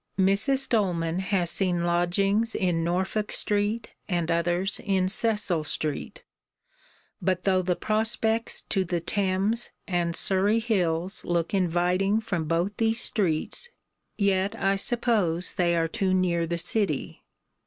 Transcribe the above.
Mrs. Doleman has seen lodgings in Norfolk street and others in Cecil street; but though the prospects to the Thames and Surrey hills look inviting from both these streets, yet I suppose they are too near the city.